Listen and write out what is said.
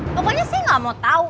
pokoknya sih gak mau tau